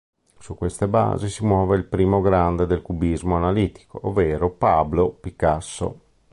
Su queste basi si muove il primo grande del cubismo analitico, ovvero Pablo Picasso.